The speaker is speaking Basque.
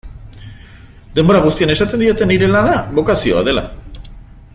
Denbora guztian esaten didate nire lana bokazioa dela.